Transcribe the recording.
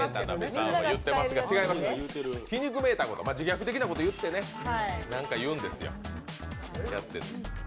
皮肉めいたこと、自虐的なことを何か言ってるんですよ。